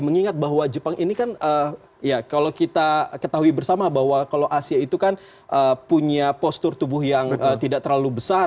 mengingat bahwa jepang ini kan ya kalau kita ketahui bersama bahwa kalau asia itu kan punya postur tubuh yang tidak terlalu besar